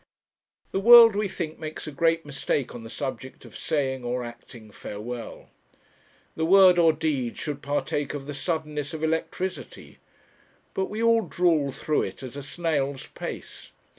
The world, we think, makes a great mistake on the subject of saying, or acting, farewell. The word or deed should partake of the suddenness of electricity; but we all drawl through it at a snail's pace.